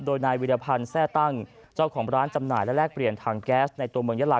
โดยนายวิรพันธ์แซ่ตั้งเจ้าของร้านจำหน่ายและแลกเปลี่ยนถังแก๊สในตัวเมืองยาลา